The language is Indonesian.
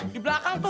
di belakang tuh